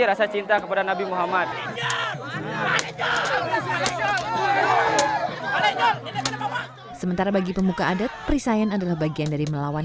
rasa cinta kepada nabi muhammad sementara bagi pemuka adat perisain adalah bagian dari melawan